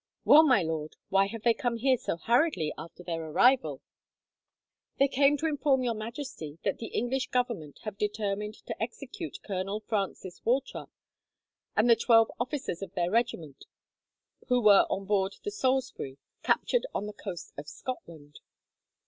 "Well, my lord, why have they come here so hurriedly after their arrival?" "They came to inform Your Majesty that the English Government have determined to execute Colonel Francis Wauchop, and the twelve officers of their regiment who were on board the Salisbury, captured on the coast of Scotland."